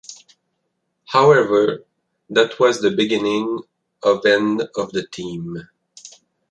However, that was the beginning of end of the team.